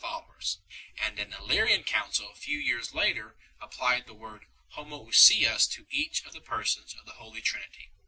lowers 1 ; and an Illyrian council a tew years later applied the word Hornoousios to each of the Persons of the Holy Trinity 2